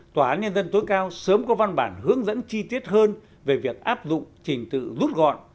tòa án nhân dân tối cao sớm có văn bản hướng dẫn chi tiết hơn về việc áp dụng trình tự rút gọn